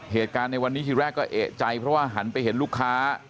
เหตุการณ์ในวันนี้ทีแรกก็เอกใจเพราะว่าหันไปเห็นลูกค้า